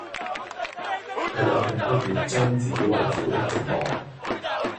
卻也並不願將自以爲苦的寂寞，